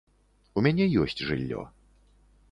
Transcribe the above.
У мяне ёсць жыллё.